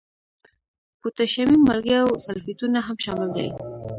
پوتاشیمي مالګې او سلفیټونه هم شامل دي.